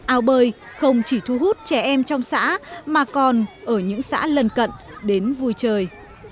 ao bơi không chỉ thu hút trẻ em trong xã mà còn ở những xã lần cận đến vui chơi